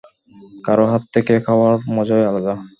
কারো হাত থেকে খাওয়ার মজাই আলাদা।